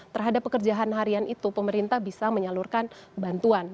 terhadap pekerjaan harian itu pemerintah bisa menyalurkan bantuan